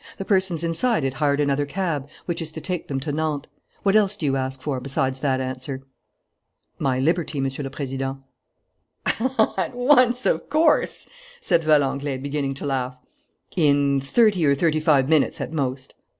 The persons inside it hired another cab which is to take them to Nantes. What else do you ask for, besides that answer?" "My liberty, Monsieur le Président." "At once, of course?" said Valenglay, beginning to laugh. "In thirty or thirty five minutes at most."